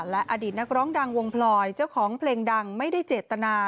และอดีตนักร้องดังวงพลอยเจ้าของเพลงดังไม่ได้เจตนา